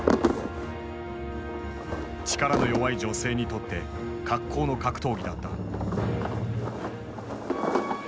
力の弱い女性にとって格好の格闘技だった。